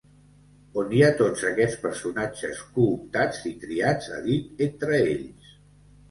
On hi ha tots aquests personatges cooptats i triats a dit entre ells.